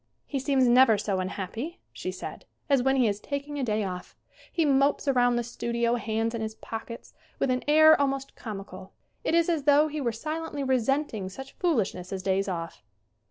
"He seems never so unhappy," she said, "as when he is taking a day off. He mopes around the studio, hands in his pockets, with an air almost comical. It is as though he were silently resenting such foolishness as days off."